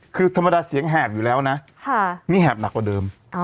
คือธรรมดาเสียงแหบอยู่แล้วนะนี่แหบหนักกว่าเดิม